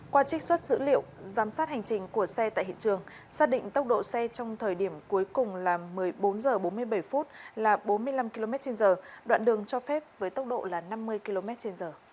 qua trích xuất dữ liệu giám sát hành trình của xe tại hiện trường xác định tốc độ xe trong thời điểm cuối cùng là một mươi bốn h bốn mươi bảy là bốn mươi năm kmh đoạn đường cho phép với tốc độ là năm mươi kmh